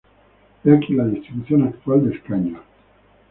He aquí la distribución actual de escaños.